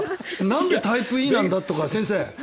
なんでタイプＥなんだとか。